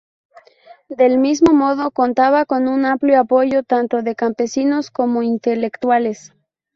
Del mismo modo, contaba con un amplio apoyo tanto de campesinos como intelectuales.